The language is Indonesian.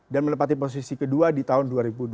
dan menepati posisi kedua di tahun dua ribu dua puluh dua